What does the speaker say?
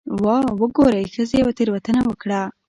'واه وګورئ، ښځې یوه تېروتنه وکړه'.